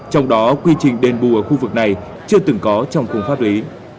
trong đó quy trình đền bù ở khu vực này chưa từng có trong khung pháp lý